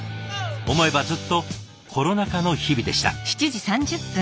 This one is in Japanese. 思えばずっとコロナ禍の日々でした。